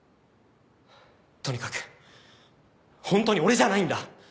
とにかくホントに俺じゃないんだ。